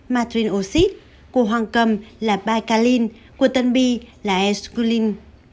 matrin oxy của hoàng cầm là bicalin của tân bi là esculin